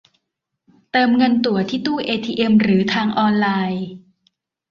เติมเงินตั๋วที่ตู้เอทีเอ็มหรือทางออนไลน์